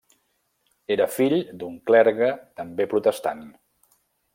Era fill d'un clergue també protestant.